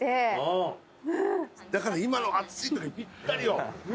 だから今の暑いぴったりよ。